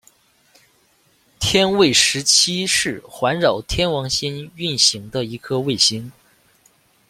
天卫十七是环绕天王星运行的一颗卫星。